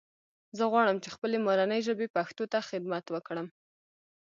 زه غواړم چې خپلې مورنۍ ژبې پښتو ته خدمت وکړم